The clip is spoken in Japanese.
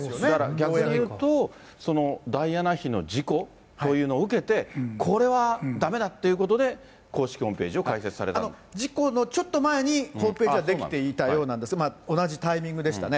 逆に言うと、ダイアナ妃の事故というのを受けて、これはだめだということで、事故のちょっと前にホームページが出来ていたようなんです、同じタイミングでしたね。